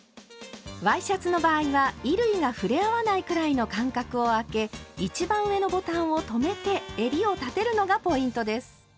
ワイシャツの場合は衣類が触れ合わないくらいの間隔をあけ一番上のボタンを留めて襟を立てるのがポイントです。